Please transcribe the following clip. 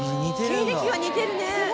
経歴が似てるね。